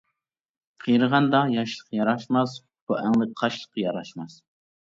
قېرىغاندا ياشلىق ياراشماس، ئۇپا، ئەڭلىك، قاشلىق ياراشماس.